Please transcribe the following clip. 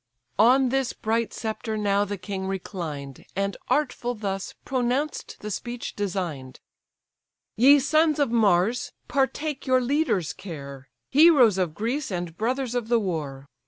On this bright sceptre now the king reclined, And artful thus pronounced the speech design'd: "Ye sons of Mars, partake your leader's care, Heroes of Greece, and brothers of the war!